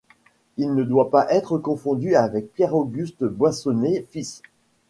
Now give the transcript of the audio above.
Il ne doit pas être confondu avec Pierre-Auguste Boissonneau, fils.